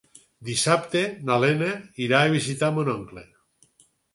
Dissabte na Lena irà a visitar mon oncle.